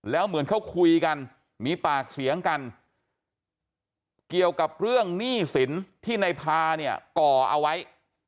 แล้วเหมือนเขาคุยกันมีปากเสียงกันเกี่ยวกับเรื่องหนี้สินที่ในพาเนี่ยก่อเอาไว้